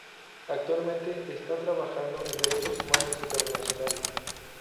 Actualmente está trabajando en derechos humanos internacionales.